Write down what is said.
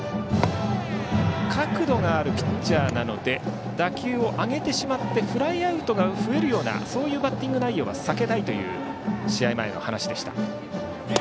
角度があるピッチャーなので打球を上げてしまってフライアウトが増えるようなバッティング内容は避けたいという試合前の話でした。